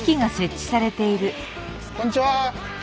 こんにちは。